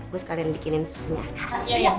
terus kalian bikinin susunya sekarang